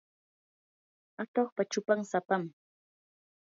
atuqpa chupan sapam.